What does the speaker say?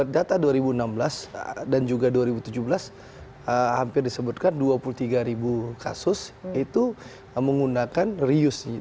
data dua ribu enam belas dan juga dua ribu tujuh belas hampir disebutkan dua puluh tiga ribu kasus itu menggunakan rius